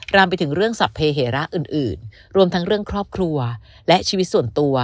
รามไปถึงเรื่องสรรพเหระอื่นรวมทั้งเรื่องครอบครัวและชีวิตส่วนตัว